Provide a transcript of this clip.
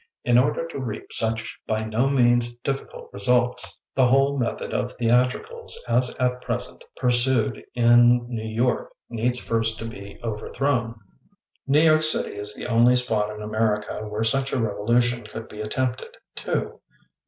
... In order to reap such OLD LOVE AND NEW POETRY 77 by no meuit dUBcult results, tbe whole method of thestricals as at present pursued in New York needs first to be oTerthrown New York City is tbe only spot in America where such a reyolution could be attempted, too.